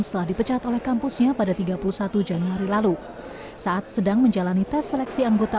setelah dipecat oleh kampusnya pada tiga puluh satu januari lalu saat sedang menjalani tes seleksi anggota